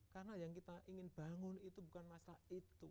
karena yang kita ingin bangun itu bukan masalah itu